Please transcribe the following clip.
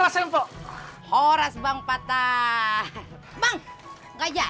sambung baja bagiku ya